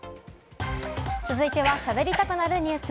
続いては、しゃべりたくなるニュス。